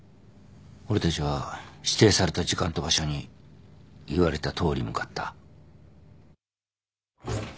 俺たちは指定された時間と場所に言われたとおり向かった。